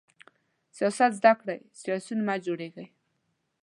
سیاست زده کړئ، سیاسیون مه جوړیږئ!